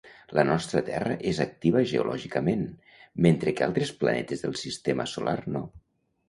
La nostra terra és activa geològicament, mentre que altres planetes del sistema solar no.